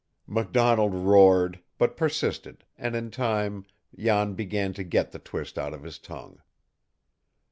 '" MacDonald roared, but persisted, and in time Jan began to get the twist out of his tongue.